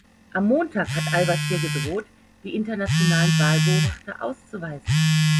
Am Montag hat al-Bashir gedroht, die internationalen Wahlbeobachter auszuweisen.